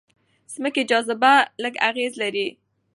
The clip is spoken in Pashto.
ځمکې جاذبه لږ اغېز لري.